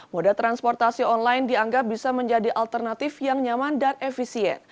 moda transportasi online dianggap bisa menjadi alternatif yang nyaman dan efisien